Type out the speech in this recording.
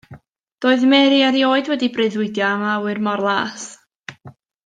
Doedd Mary erioed wedi breuddwydio am awyr mor las.